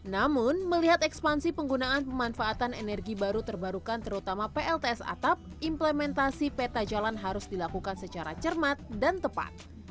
namun melihat ekspansi penggunaan pemanfaatan energi baru terbarukan terutama plts atap implementasi peta jalan harus dilakukan secara cermat dan tepat